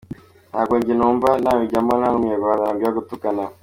" Ntabwo njye numva nabijyamo nta n’umunyarwanda nabwira gutukana.